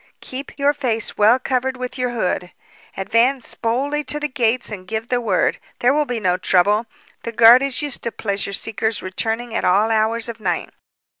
Keep your face well covered with your hood. Advance boldly to the gates and give the word. There will be no trouble. The guard is used to pleasure seekers returning at all hours of night."